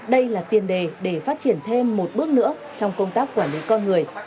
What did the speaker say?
đây là tiền đề để phát triển thêm một bước nữa trong công tác quản lý con người